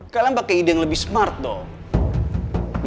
kalian pakai ide yang lebih smart dong